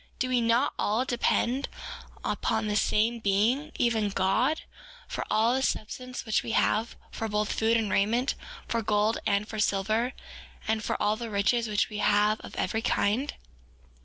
Do we not all depend upon the same Being, even God, for all the substance which we have, for both food and raiment, and for gold, and for silver, and for all the riches which we have of every kind?